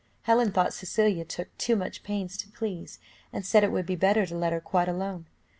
Helen thought Cecilia took too much pains to please, and said it would be better to let her quite alone.